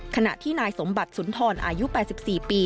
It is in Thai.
ขณะที่นายสมบัติสุนทรอายุ๘๔ปี